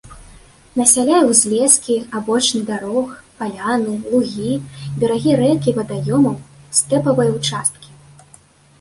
Насяляе узлескі, абочыны дарог, паляны, лугі, берагі рэк і вадаёмаў, стэпавыя ўчасткі.